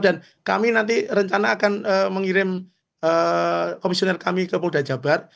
dan kami nanti rencana akan mengirim komisioner kami ke polda jabar